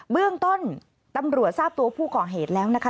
เบื้องต้นตำรวจทราบตัวผู้ก่อเหตุแล้วนะคะ